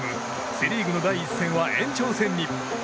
セ・リーグの第１戦は延長戦に。